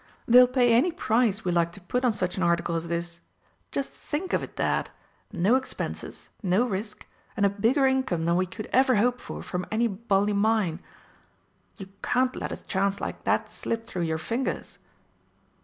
They'll pay any price we like to put on such an article as this. Just think of it, Dad! No expenses no risk and a bigger income than we could ever hope for from any bally mine. You can't let a chance like that slip through your fingers!"